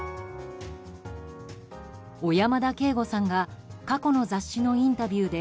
小山田圭吾さんが過去の雑誌のインタビューで